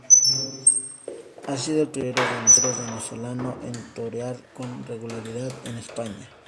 Ha sido el primer torero venezolano en torear con regularidad en España.